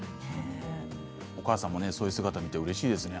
お母さんもそういう姿を見てうれしいですね。